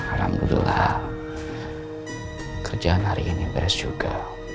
alhamdulillah kerjaan hari ini beres juga